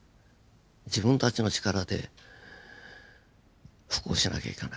自分たちの力で復興しなきゃいけない。